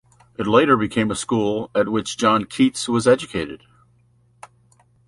It later became a school, at which John Keats was educated.